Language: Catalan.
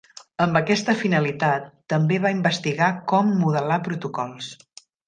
Amb aquesta finalitat, també va investigar com modelar protocols.